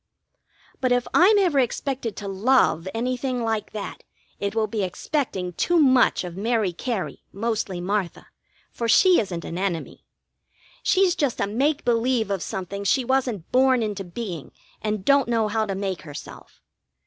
But if I'm ever expected to love anything like that, it will be expecting too much of Mary Cary, mostly Martha, for she isn't an enemy. She's just a make believe of something she wasn't born into being and don't know how to make herself.